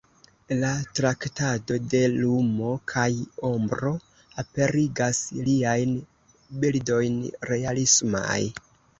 La traktado de lumo kaj ombro aperigas liajn bildojn realismaj.